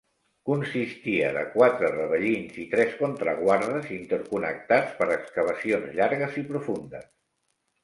Consistia de quatre ravellins i tres contraguardes interconnectats per excavacions llargues i profundes.